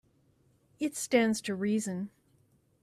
It stands to reason.